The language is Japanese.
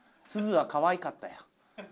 「すずはかわいかった」や。